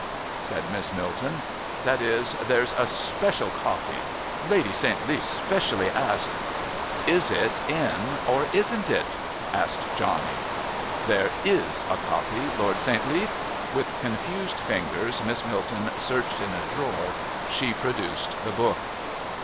said Miss Milton. "That is, there's a special copy.... Lady St. Leath specially asked " "Is it in, or isn't it?" asked Johnny. "There is a copy, Lord St. Leath " With confused fingers Miss Milton searched in a drawer. She produced the book.